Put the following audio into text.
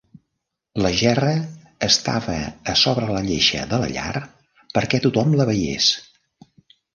La gerra estava a sobre de lleixa de la llar, perquè tothom la veiés.